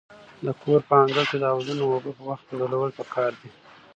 د کور په انګړ کې د حوضونو اوبه په وخت بدلول پکار دي.